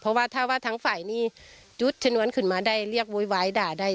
เพราะว่าถ้าว่าทั้งฝ่ายนี้ยุดชนวนขึ้นมาได้เรียกโวยวายด่าได้